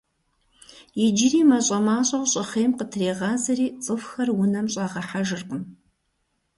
Иджыри мащӏэ-мащӏэу щӏыхъейм къытрегъазэри, цӀыхухэр унэм щӀагъэхьэжыркъым.